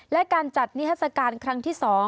และการจัดนิทัศกาลครั้งที่๒